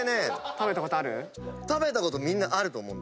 食べたことある？